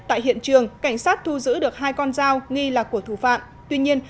tại hiện trường cảnh sát thu giữ được hai con dao nghi là của thủ phạm tuy nhiên